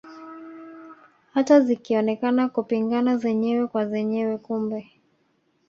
Hata zikionekana kupingana zenyewe kwa zenyewe kumbe